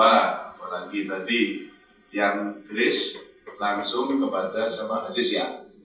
apalagi tadi yang grace langsung kepada sama aziz ya